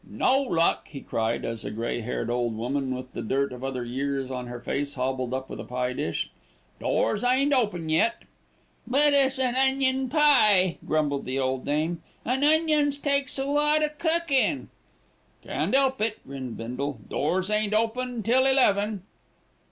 "No luck," he cried, as a grey haired old woman with the dirt of other years on her face hobbled up with a pie dish. "Doors ain't open yet." "But it's an onion pie," grumbled the old dame, "and onions takes a lot o' cookin'." "Can't 'elp it," grinned Bindle. "Doors ain't open till eleven."